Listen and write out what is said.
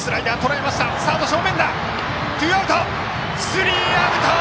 スリーアウト！